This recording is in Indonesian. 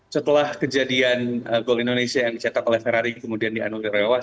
setelah kejadian gol indonesia yang dicetak oleh ferrari kemudian dianulir lewat